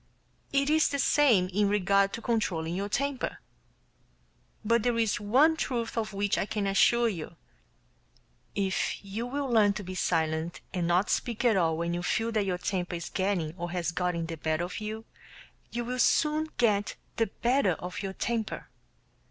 It is the same in regard to controlling your temper. But there is one truth of which I can assure you: If you will learn to be silent and not speak at all when you feel that your temper is getting or has gotten the better of you, you will soon get the better of your temper.